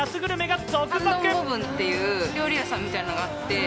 感動ボブンっていう料理屋さんみたいなのがあって。